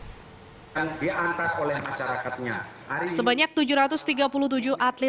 dan diantar oleh masyarakatnya